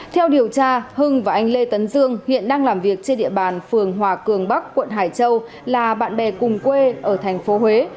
theo điều tra hưng và anh lê tấn dương hiện đang làm việc trên địa bàn phường hòa cường bắc quận hải châu là bạn bè cùng quê ở thành phố huế